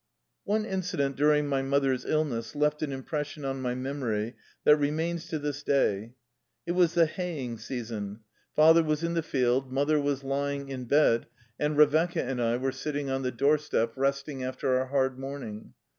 One incident during my mother's illness left an impression on my memory that remains to this day. It was the haying season. Father 12 THE LIFE STOEY OF A EUSSIAN EXILE was in the field, mother was lying in bed, and Revecca and I were sitting on the doorstep, rest ing after our hard morning.